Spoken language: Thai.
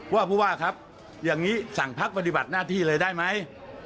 ว่าผู้ว่าครับอย่างนี้สั่งพักปฏิบัติหน้าที่เลยได้ไหม